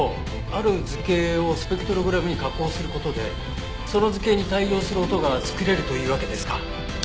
ある図形をスペクトログラムに加工する事でその図形に対応する音が作れるというわけですか。